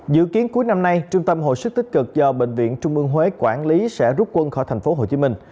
dự kiến cuối năm nay trung tâm hồi sức tích cực do bệnh viện trung ương huế quản lý sẽ rút quân khỏi thành phố hồ chí minh